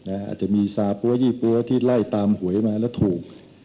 อาจจะมีซาปั๊วยี่ปั๊วที่ไล่ตามหวยมาแล้วถูก